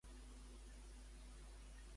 Confirma'm què tinc al calendari d'aquí poc.